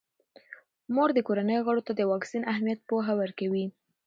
مور د کورنۍ غړو ته د واکسین اهمیت پوهه ورکوي.